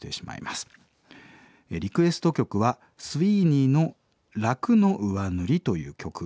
リクエスト曲はＣＹＮＨＮの『楽の上塗り』という曲。